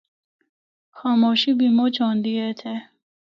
خاموشی بھی مُچ ہوندی اے اِتھا۔